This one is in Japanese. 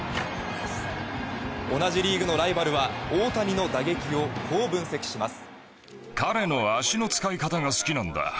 同じリーグのライバルは大谷の打撃をこう分析します。